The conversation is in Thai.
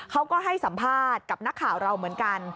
เขาก็ให้สัมภาษณ์กับนักข่าวเราเหมือนกัน